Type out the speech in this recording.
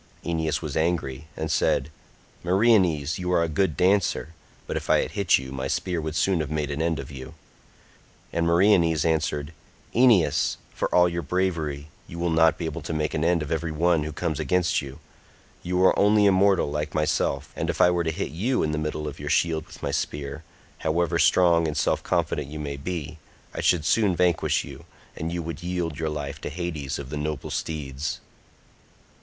Aeneas was angry and said, "Meriones, you are a good dancer, but if I had hit you my spear would soon have made an end of you." And Meriones answered, "Aeneas, for all your bravery, you will not be able to make an end of every one who comes against you. You are only a mortal like myself, and if I were to hit you in the middle of your shield with my spear, however strong and self confident you may be, I should soon vanquish you, and you would yield your life to Hades of the noble steeds."